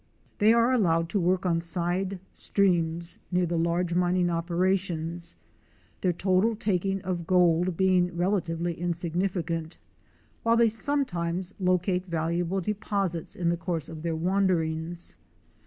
They are allowed to work on side streams near the large mining operations, their total taking of gold being relatively insignificant, while they sometimes locate valuable deposits in the course of their wanderings.